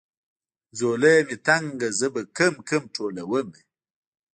ځولۍ مې تنګه زه به کوم کوم ټولومه.